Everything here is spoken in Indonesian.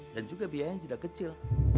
dan juga biaya yang sudah kecil